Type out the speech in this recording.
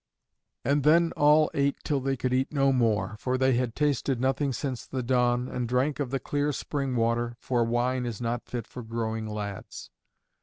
And then all ate till they could eat no more, for they had tasted nothing since the dawn, and drank of the clear spring water, for wine is not fit for growing lads.